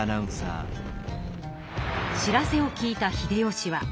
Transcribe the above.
知らせを聞いた秀吉は。